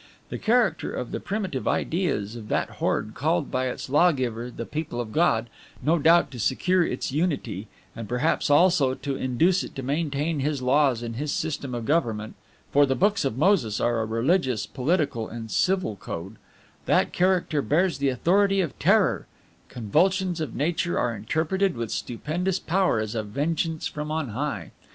"The character of the primitive ideas of that horde called by its lawgiver the people of God, no doubt to secure its unity, and perhaps also to induce it to maintain his laws and his system of government for the Books of Moses are a religious, political, and civil code that character bears the authority of terror; convulsions of nature are interpreted with stupendous power as a vengeance from on high.